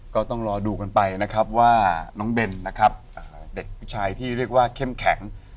ก็ต้องรอดูกันไปนะครับว่าน้องเบนนะครับเด็กผู้ชายที่เรียกว่าเข้มแข็ง